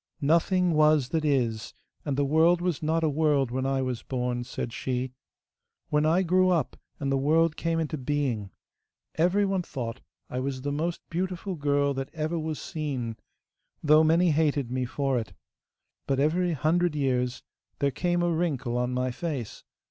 'Nothing was that is, and the world was not a world when I was born,' said she. 'When I grew up and the world came into being, everyone thought I was the most beautiful girl that ever was seen, though many hated me for it. But every hundred years there came a wrinkle on my face.